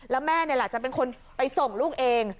แล้วแม่นี่แหละจะเป็นคนไปส่งลูกเอง